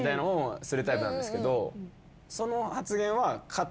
その発言は。